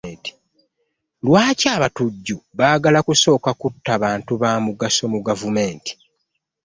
Lwaki abatujju bagala kusooka kutta bantu bamugaso mu gavumenti?